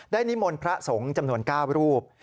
นิมนต์พระสงฆ์จำนวน๙รูป